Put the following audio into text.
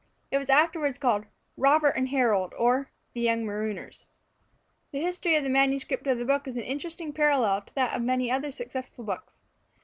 It was afterward called "Robert and Harold; or, the Young Marooners." The history of the manuscript of the book is an interesting parallel to that of many other successful books.